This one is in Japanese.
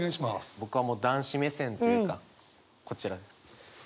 僕はもう男子目線というかこちらです。